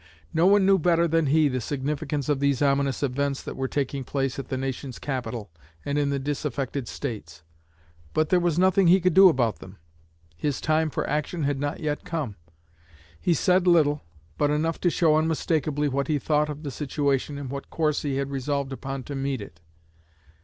No one knew better than he the significance of these ominous events that were taking place at the nation's capital and in the disaffected States; but there was nothing he could do about them. His time for action had not yet come. He said little, but enough to show unmistakably what he thought of the situation and what course he had resolved upon to meet it.